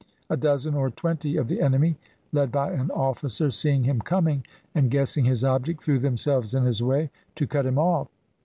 A dozen or twenty of the enemy, led by an officer, seeing him coming, and guessing his object, threw themselves in his way to cut him off.